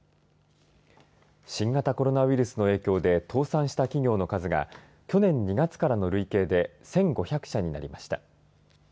新型コロナウイルスの影響で倒産した企業の数が去年２月からの累計で１５００社になりました。